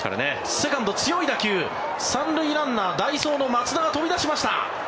セカンド、強い打球３塁ランナー、代走の松田が飛び出しました。